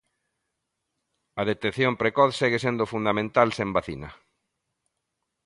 A detección precoz segue sendo fundamental sen vacina.